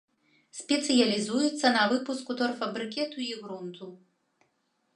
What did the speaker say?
Спецыялізуецца на выпуску торфабрыкету і грунту.